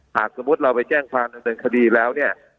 หากสมมุติเราไปแจ้งความดำเนินคดีแล้วเนี่ย